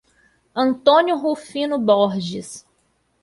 Antônio Rufino Borges